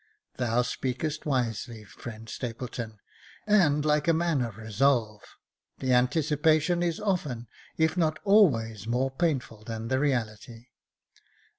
Thou speakest wisely, friend Stapleton, and like a man of resolve, — the anticipation is often, if not always, more painful than the reality.